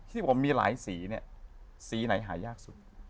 ที่ผมมีหลายสีเนี่ยสีไหนหายากสุด